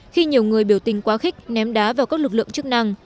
khi nhiều người biểu tình quá khích ném đá vào các lực lượng chức năng